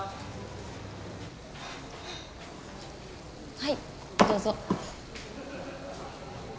はいどうぞ。